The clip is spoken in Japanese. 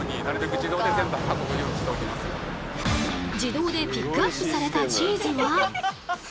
自動でピックアップされたチーズは。